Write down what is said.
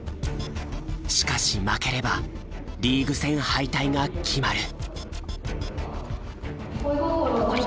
しかし負ければリーグ戦敗退が決まる。